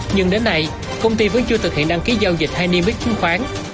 nhưng đến nay công ty vẫn chưa thực hiện đăng ký giao dịch hay niêm mít chứng khoán